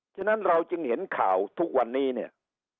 ฉะนั้นเราจึงเห็นข่าวทุกวันนี้เนี่ย